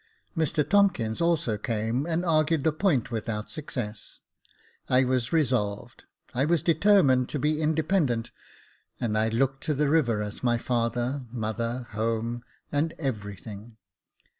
Mr Tomkins also came, and argued the point without success. I was resolved. I was determined to be independent ; and I looked to the river as my father, mother, home, and every thing.